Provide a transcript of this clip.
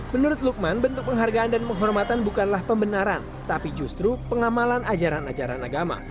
menurut lukman bentuk penghargaan dan penghormatan bukanlah pembenaran tapi justru pengamalan ajaran ajaran agama